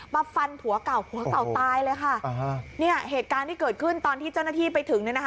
ฟันผัวเก่าผัวเก่าตายเลยค่ะอ่าฮะเนี่ยเหตุการณ์ที่เกิดขึ้นตอนที่เจ้าหน้าที่ไปถึงเนี่ยนะคะ